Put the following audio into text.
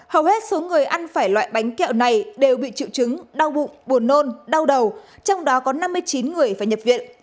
hầu hết số người ăn phải loại bánh kẹo này đều bị triệu chứng đau bụng buồn nôn đau đầu trong đó có năm mươi chín người phải nhập viện